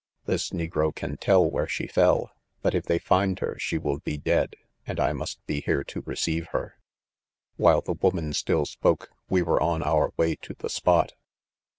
This negro can tell where she fell, but if they find her she will be dead ; and I must be here to receive her." " While the woman still spoke, we were on our way to the spot.